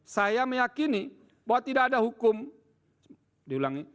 saya meyakini bahwa tidak ada hukum diulangi